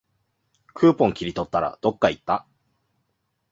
クーポン切り取ったら、どっかいった